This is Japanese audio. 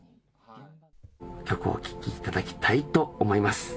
曲をお聴きいただきたいと思います。